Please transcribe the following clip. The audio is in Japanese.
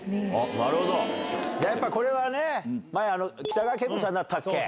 やっぱこれはね、前、北川景子ちゃんだったっけ？